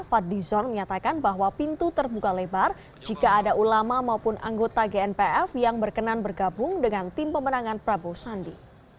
fadlizon menyatakan bahwa pintu terbuka lebar jika ada ulama maupun anggota gnpf yang berkenan bergabung dengan tim pemenangan prabowo sandi